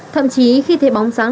thậm chí khi thấy bóng sáng